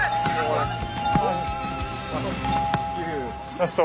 ラスト。